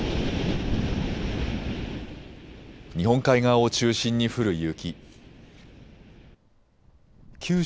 日本海側を中心に降る雪。